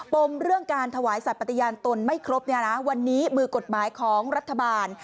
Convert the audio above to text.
มเรื่องการถวายสัตว์ปฏิญาณตนไม่ครบวันนี้มือกฎหมายของรัฐบาล